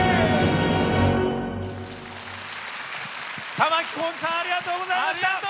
玉置浩二さんありがとうございました！